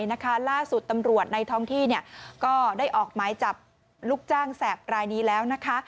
ล่าสุดตำรวจในท้องที่ก็ได้ออกหมายจับลูกจ้างแสบรายนี้แล้วนะคะ